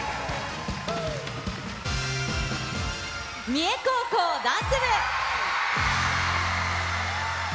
三重高校ダンス部。